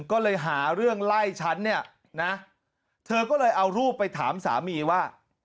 ก็เลยหาเรื่องไล่ฉันเนี่ยนะเธอก็เลยเอารูปไปถามสามีว่า